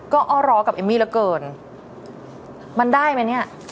ก็อ้อร้อกับเอมมี่เหลือเกินมันได้ไหมเนี่ย